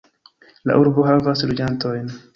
La urbo havas loĝantojn.